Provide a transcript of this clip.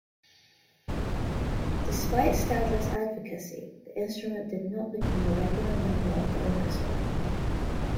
Despite Stadler's advocacy the instrument did not become a regular member of the orchestra.